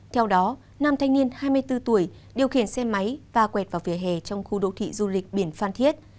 theo đó nam thanh niên hai mươi bốn tuổi điều khiển xe máy và quẹt vào vỉa hè trong khu đô thị du lịch biển phan thiết